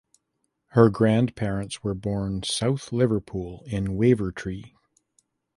Her grandparents were born South Liverpool in Wavertree.